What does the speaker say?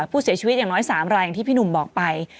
ผู้เสียชีวิตอย่างน้อย๓รายอย่างที่พี่หนุ่มบอกไป